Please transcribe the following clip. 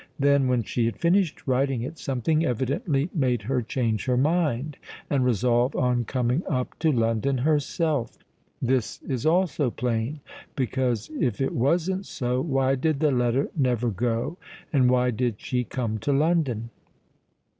Then, when she had finished writing it, something evidently made her change her mind, and resolve on coming up to London herself. This is also plain; because, if it wasn't so, why did the letter never go—and why did she come to London?"